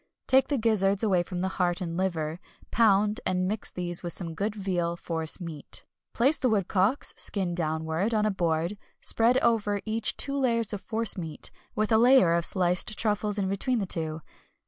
Take the gizzards away from the heart and liver, pound, and mix these with some good veal force meat. Place the woodcocks, skin downwards, on a board; spread over each two layers of force meat, with a layer of sliced truffles in between the two.